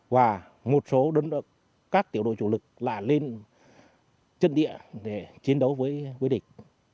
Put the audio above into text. và một số các tiểu đội chủ lực là lên chân địa để chiến đấu với địch